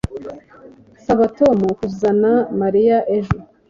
Saba Tom kuzana Mariya ejo